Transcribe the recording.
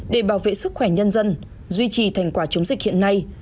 để bảo vệ sức khỏe nhân dân duy trì thành quả chống dịch hiện nay